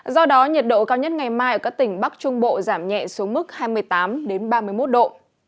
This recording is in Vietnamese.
do đó nhiệt độ cao nhất ngày mai ở các tỉnh bắc trung bộ giảm nhẹ xuống mức hai mươi tám ba mươi một độ